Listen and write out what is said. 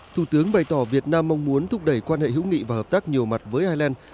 thủ tướng bày tỏ việt nam mong muốn thúc đẩy quan hệ hữu nghị và hợp tác nhiều mặt với ireland